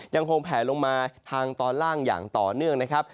ยังคงแผลลงมาทางตอนล่างอย่างต่อเนื่องนะครับ